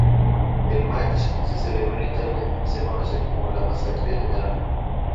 El "match" se celebró en Italia, y se conoce como la "Masacre de Merano".